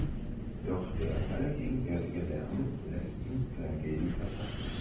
Doch der allgegenwärtige Lärm lässt ihn sein Leben verpassen.